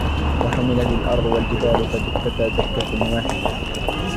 وحملت الأرض والجبال فدكتا دكة واحدة